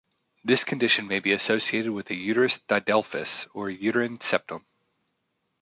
This condition may be associated with a uterus didelphys or a uterine septum.